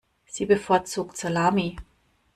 Sie bevorzugt Salami.